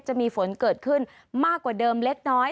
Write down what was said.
จะมีฝนเกิดขึ้นมากกว่าเดิมเล็กน้อย